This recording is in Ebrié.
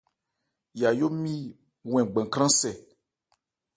Yayó nmi wɛn gbankrân-sɛ.